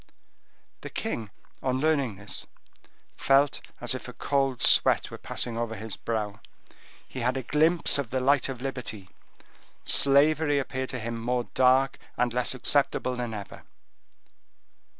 The king, on learning this, felt as if a cold sweat were passing over his brow;—he had had a glimpse of the light of liberty; slavery appeared to him more dark and less acceptable than ever.